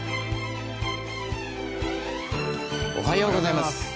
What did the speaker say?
おはようございます。